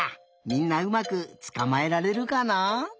みんなうまくつかまえられるかな？